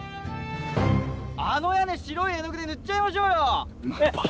あの屋根、白い絵の具で塗っちゃいましょうよ。